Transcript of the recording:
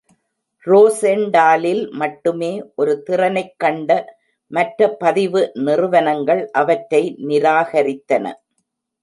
ரோசெண்டாலில் மட்டுமே ஒரு திறனைக் கண்ட மற்ற பதிவு நிறுவனங்கள் அவற்றை நிராகரித்தன.